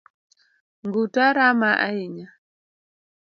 Nguta rama ahinya